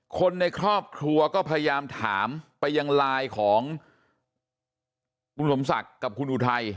คนในครอบครัวก็พยายามถามไปยังไลน์ของคุณสมศักดิ์กับคุณอุทัย